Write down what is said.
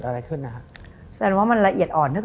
ล่วงเลยต่อได้